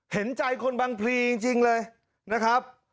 เห็นใจคนบางพลีจริงเลยนะครับ